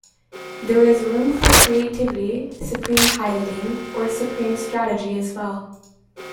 There was room for creativity, supreme piloting, or supreme strategy as well.